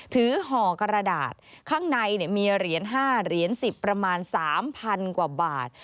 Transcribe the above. ห่อกระดาษข้างในมีเหรียญ๕เหรียญ๑๐ประมาณ๓๐๐กว่าบาท